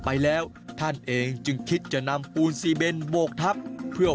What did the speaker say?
ไปแล้วท่านเองจึงคิดจะนำปูนซีเบนโบกทับเพื่อ